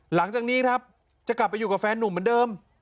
หลังจากนี้ครับจะกลับไปอยู่กับแฟนนุ่มเหมือนเดิม